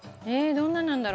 どんなのなんだろう？